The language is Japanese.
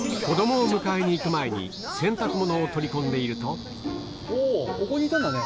子供を迎えに行く前に洗濯物を取り込んでいるとうん。